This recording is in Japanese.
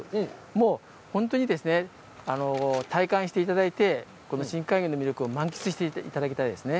もう、本当に体感していただいて、この深海魚の魅力を満喫していただきたいですね。